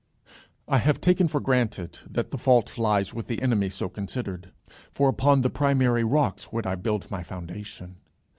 I have taken for granted that the fault lies with the enemy so considered, for upon the primary rocks would I build my foundation.